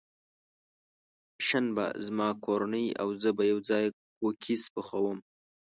شنبه، زما کورنۍ او زه به یوځای کوکیز پخوم.